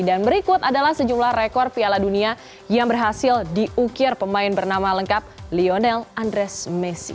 dan berikut adalah sejumlah rekor piala dunia yang berhasil diukir pemain bernama lengkap lionel andres messi